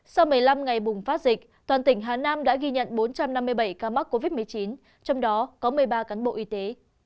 sau một mươi năm ngày bùng phát dịch toàn tỉnh hà nam đã ghi nhận bốn trăm năm mươi bảy ca mắc covid một mươi chín trong đó có một mươi ba cán bộ y tế